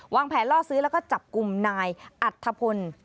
แผนล่อซื้อแล้วก็จับกลุ่มนายอัธพล